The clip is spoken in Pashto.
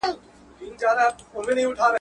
وس پردی وو د خانانو ملکانو.